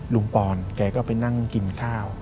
ลุงปรนอย่าก็ไปนั่งกินข้าว